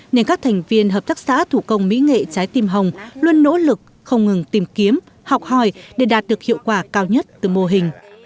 nên các thành viên hợp tác xã thủ công mỹ nghệ trái tim hồng luôn nỗ lực không ngừng tìm kiếm học hỏi để đạt được hiệu quả cao nhất từ mô hình